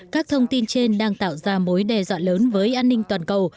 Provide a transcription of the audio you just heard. các thông tin trên đang tạo ra mối đe dọa lớn với an ninh toàn cầu